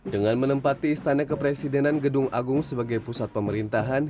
dengan menempati istana kepresidenan gedung agung sebagai pusat pemerintahan